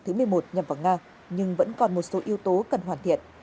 thứ một mươi một nhằm vào nga nhưng vẫn còn một số yếu tố cần hoàn thiện